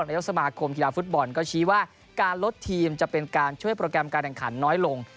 นายกสมาคมกีฬาฟุตบอลก็ชี้ว่าการลดทีมจะเป็นการช่วยโปรแกรมการแข่งขันน้อยลง